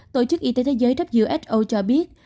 tổ chức y tế thế giới who cho biết